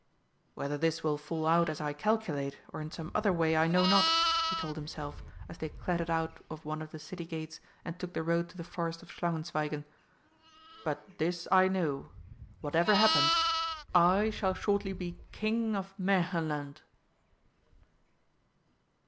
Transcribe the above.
"Whether this will fall out as I calculate, or in some other way, I know not," he told himself, as they clattered out of one of the City gates and took the road to the forest of Schlangenzweigen. "But this I know whatever happens, I shall shortly be King of Märchenland."